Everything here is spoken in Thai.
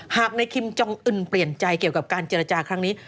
หากในคิมจองอื่นเปลี่ยนใจเกี่ยวกับการเจรจาครั้งนี้